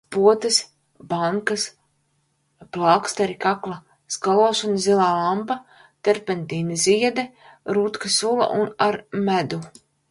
Potes, bankas, plāksteri, kakla skalošana, zilā lampa, terpentīna ziede, rutku sula ar medu.